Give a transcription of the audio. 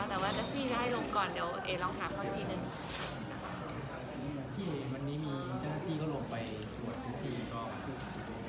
แต่ว่าจะให้โรงก่อนเดี๋ยวเอ๋ลอ้อมถามเขาทีนึง